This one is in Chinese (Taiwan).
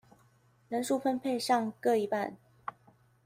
人數分配上各一半